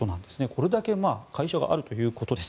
これだけ会社があるということです。